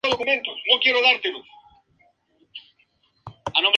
Su duración varía desde un fin de semana hasta una semana completa.